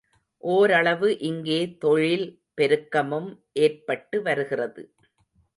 ஓரளவு இங்கே தொழில் பெருக்கமும் ஏற்பட்டு வருகிறது.